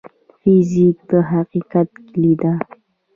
فزیک د حقیقت کلي ده.